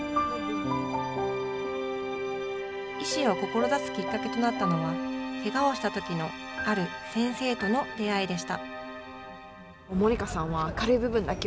医師を志すきっかけとなったのはけがをしたときのある先生との出会いでした。